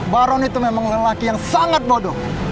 baron itu memang lelaki yang sangat bodoh